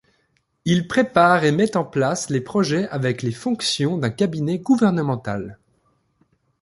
Il prépare et met en place les projets avec les fonctions d'un cabinet gouvernemental.